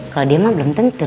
kalau dia mah belum tentu